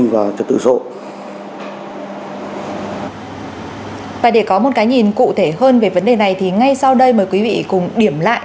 và để có một cái nhìn cụ thể hơn về vấn đề này thì ngay sau đây mời quý vị cùng điểm lại